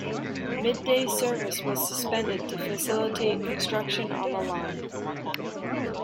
Midday service was suspended to facilitate construction on the line.